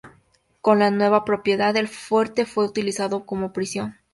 Con la nueva propiedad, el Fuerte fue utilizado como prisión.